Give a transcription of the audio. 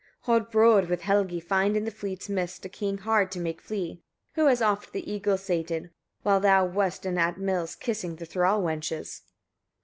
35. Hodbrodd will Helgi find in the fleet's midst, a king hard to make flee, who has oft the eagles sated, while thou wast at the mills, kissing the thrall wenches.